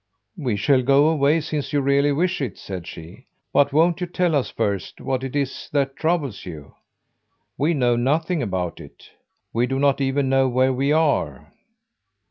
"We shall go away, since you really wish it," said she. "But won't you tell us first, what it is that troubles you? We know nothing about it. We do not even know where we are."